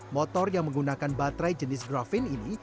motor yang menggunakan baterai jenis grafin ini